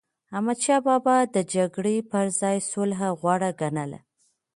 احمدشاه بابا به د جګړی پر ځای سوله غوره ګڼله.